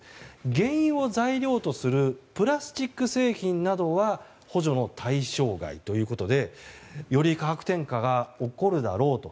原油を材料とするプラスチック製品などは補助の対象外ということでより価格転嫁が起こるだろうと。